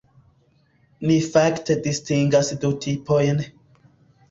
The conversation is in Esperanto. Ni fakte distingas du tipojn.